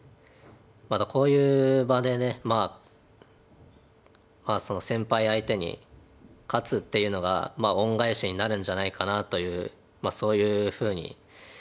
またこういう場で先輩相手に勝つっていうのが恩返しになるんじゃないかなというそういうふうに。